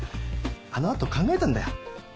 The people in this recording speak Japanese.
あのあと考えたんだよ。